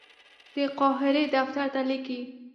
د قاهرې دفتر ته لیکي.